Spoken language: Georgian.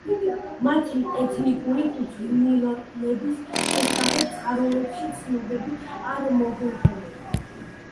მათი ეთნიკური კუთვნილების შესახებ წყაროებში ცნობები არ მოგვეპოვება.